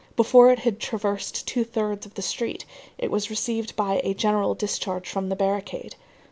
Before it had traversed two thirds of the street it was received by a general discharge from the barricade.